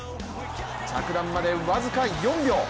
着弾まで僅か４秒。